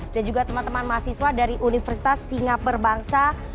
dan juga teman teman mahasiswa dari universitas singapur bangsa